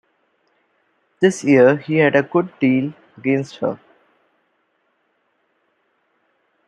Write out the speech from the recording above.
This year he had a good deal against her.